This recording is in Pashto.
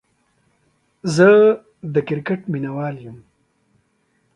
زه دا کرکټ ميناوال يم